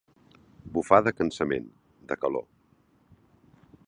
Bufar de cansament, de calor.